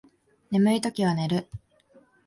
眠いときは寝る